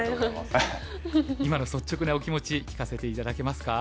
今の率直なお気持ち聞かせて頂けますか？